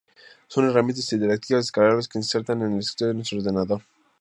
Son herramientas interactivas descargables que se insertan en el escritorio de nuestro ordenador.